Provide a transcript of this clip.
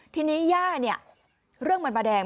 ทีนี้ย่าเนี่ยเรื่องมันบาแดง